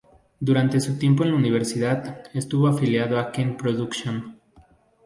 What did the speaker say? Durante su tiempo en la universidad estuvo afiliado a Ken Production.